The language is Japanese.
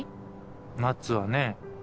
ナッツはね